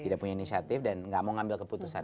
tidak punya inisiatif dan nggak mau ngambil keputusan